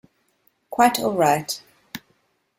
Quite all right.